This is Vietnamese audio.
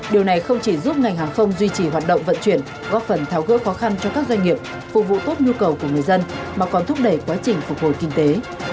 điều này không chỉ giúp ngành hàng không duy trì hoạt động vận chuyển góp phần tháo gỡ khó khăn cho các doanh nghiệp phục vụ tốt nhu cầu của người dân mà còn thúc đẩy quá trình phục hồi kinh tế